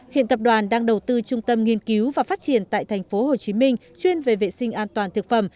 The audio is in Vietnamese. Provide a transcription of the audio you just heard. hiện tập đoàn đang đầu tư trung tâm nghiên cứu và phát triển tại thành phố hồ chí minh chuyên về vệ sinh an toàn thực phẩm